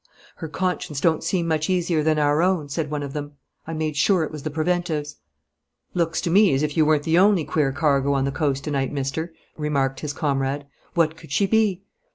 'Her conscience don't seem much easier than our own,' said one of them. 'I made sure it was the preventives.' 'Looks to me as if you weren't the only queer cargo on the coast to night, mister,' remarked his comrade. 'What could she be?'